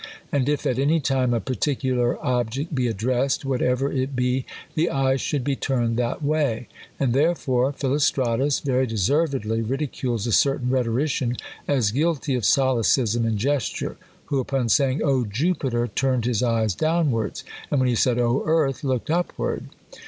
And if at any time a particulai object be addressed, whatever it . be, the eyes should be turned that way. And there fore Pl.iilostratus very deservedly ridicules a certain rhetorician as guilty of solecism in gesture, who, upon saving, O Jupiter ! turned his eyes downwards ; and when he said, O Earth ! looked upward.